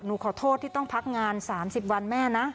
ขอโทษที่ต้องพักงาน๓๐วันแม่นะ